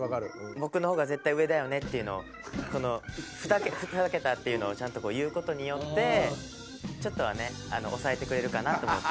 僕の方が絶対上だよねっていうのを２桁っていうのをちゃんと言う事によってちょっとはね抑えてくれるかなと思って。